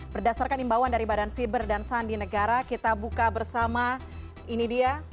berdasarkan imbauan dari badan siber dan sandi negara kita buka bersama ini dia